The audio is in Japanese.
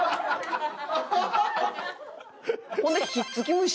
ほんで「ひっつき虫」。